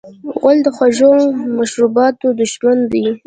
غول د خواږه مشروباتو دښمن دی.